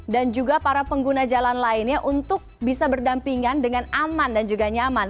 dan juga para pengguna jalan lainnya untuk bisa berdampingan dengan aman dan juga nyaman